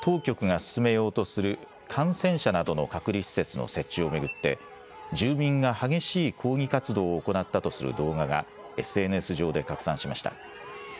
こうした中、きのう東部の浦東新区で当局が進めようとする感染者などの隔離施設の設置を巡って住民が激しい抗議活動を行ったとする動画がＳＮＳ上で拡散しました。